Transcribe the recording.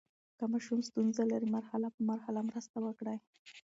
که ماشوم ستونزه لري، مرحله په مرحله مرسته وکړئ.